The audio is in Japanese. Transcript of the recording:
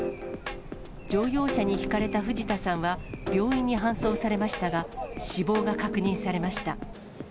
乗用車にひかれた藤田さんは病院に搬送されましたが、死亡が確認されました。